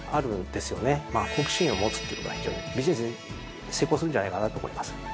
好奇心を持つっていうことは非常にビジネスに成功するんじゃないかなと思います。